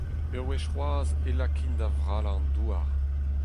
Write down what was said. Ur wech c’hoazh e lakain da vrallañ an douar.